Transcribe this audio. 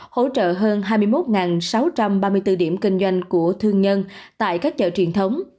hỗ trợ hơn hai mươi một sáu trăm ba mươi bốn điểm kinh doanh của thương nhân tại các chợ truyền thống